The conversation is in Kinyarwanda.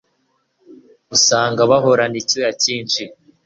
usanga bahorana icyuya cyinshi